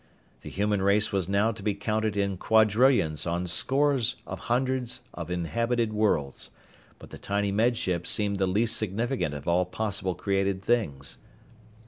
The human race was now to be counted in quadrillions on scores of hundreds of inhabited worlds, but the tiny Med Ship seemed the least significant of all possible created things.